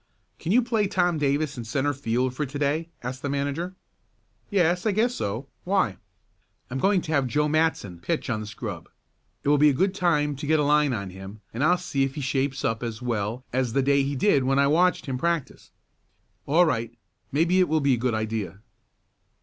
"Can you play Tom Davis in centre field for to day?" asked the manager. "Yes, I guess so. Why?" "I'm going to have Joe Matson pitch on the scrub. It will be a good time to get a line on him, and I'll see if he shapes up as well as the day he did when I watched him practice." "All right; maybe it will be a good idea."